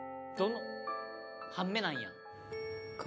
「半目なんや」